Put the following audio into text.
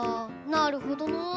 なるほどな。